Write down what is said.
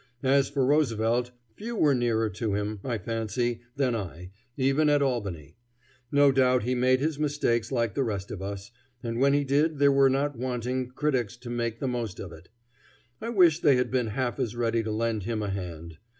As for Roosevelt, few were nearer to him, I fancy, than I, even at Albany. No doubt he made his mistakes like the rest of us, and when he did there were not wanting critics to make the most of it. I wish they had been half as ready to lend him a hand.